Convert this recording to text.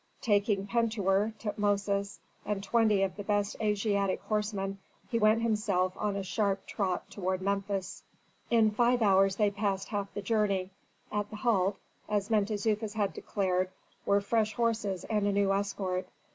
Taking Pentuer, Tutmosis, and twenty of the best Asiatic horsemen, he went himself on a sharp trot toward Memphis. In five hours they passed half the journey; at the halt, as Mentezufis had declared, were fresh horses and a new escort.